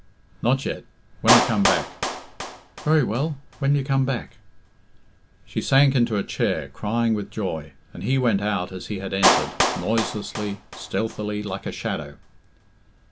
"Not yet when I come back." "Very well when you come back." She sank into a chair, crying with joy, and he went out as he had entered, noiselessly, stealthily, like a shadow.